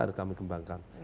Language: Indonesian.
ada kami kembangkan